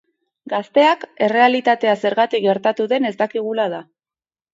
Gazteak, errealitatea zergatik gertatu den ez dakigula da.